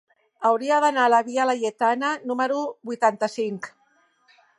Hauria d'anar a la via Laietana número vuitanta-cinc.